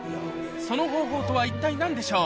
その方法とは一体何でしょう？